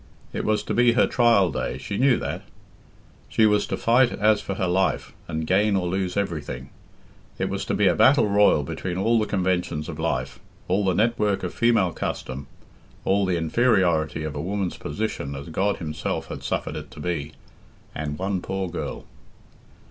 It was to be her trial day she knew that. She was to fight as for her life, and gain or lose everything. It was to be a battle royal between all the conventions of life, all the network of female custom, all the inferiority of a woman's position as God himself had suffered it to be, and one poor girl.